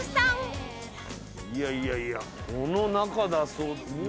いやいやいやこの中だそう。